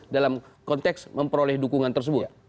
dalam konteks memperoleh dukungan tersebut